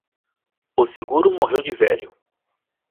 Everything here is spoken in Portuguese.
O seguro morreu de velho.